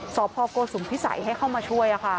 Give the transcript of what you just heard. สพโกสุมพิสัยให้เข้ามาช่วย